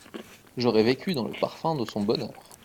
J'aurais vécu dans le parfum de son bonheur.